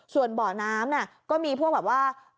ส่วนเบาะน้ำก็มีพวกแบบว่า